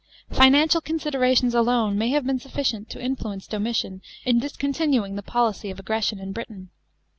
Financial considerations alone may have been sufficient to influence Domitian in discontinuing the policy of aggression in Britain.